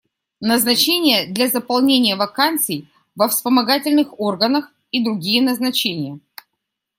Назначения для заполнения вакансий во вспомогательных органах и другие назначения.